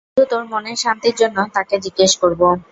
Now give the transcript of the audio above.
শুধু তোর মনের শান্তির জন্য তাকে জিজ্ঞেস করবো।